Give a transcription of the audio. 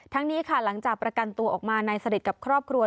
นี้ค่ะหลังจากประกันตัวออกมานายสนิทกับครอบครัว